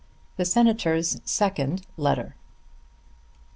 THE SENATOR'S SECOND LETTER.